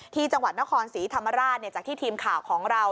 ที่จังหวัดนครศรีธรรมราชจากที่ทีมข่าวของเรา